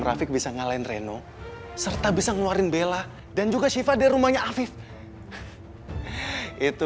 rafiq bisa ngalahin reno serta bisa ngeluarin bella dan juga shiva di rumahnya afif itu